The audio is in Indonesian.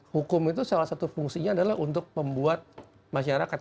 hukum itu salah satu fungsinya adalah untuk membuat masyarakat